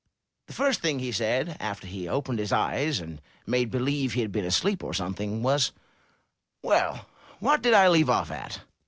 The first thing he said, after he opened his eyes, and made believe he had been asleep, or something, was, 'Well, what did I leave off at?'